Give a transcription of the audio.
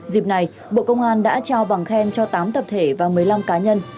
dịp này bộ công an đã trao bằng khen cho tám tập thể và một mươi năm cá nhân